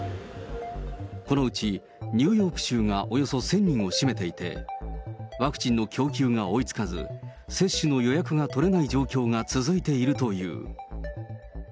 このうちニューヨーク州がおよそ１０００人を占めていて、ワクチンの供給が追いつかず、接種の予約が取れない状況が続いているという。